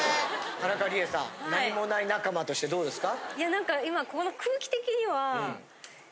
田中理恵さん何もない仲間としてどうですか？